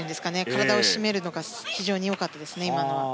体を締めるのが非常に良かったですね。